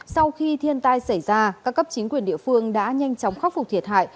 sau khi thiên tai xảy ra các cấp chính quyền địa phương đã nhanh chóng khắc phục thiệt hại